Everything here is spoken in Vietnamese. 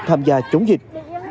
tham gia chống dịch